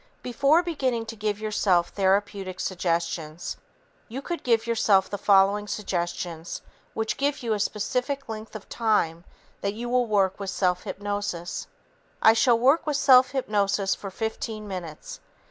Before beginning to give yourself therapeutic suggestions, you could give yourself the following suggestions which give you a specific length of time that you will work with self hypnosis: "I shall work with self hypnosis for 15 minutes.